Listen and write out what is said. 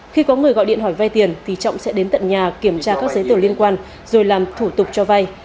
khi có người gọi điện hỏi vay tiền thì trọng sẽ đến tận nhà kiểm tra các giấy tờ liên quan rồi làm thủ tục cho vay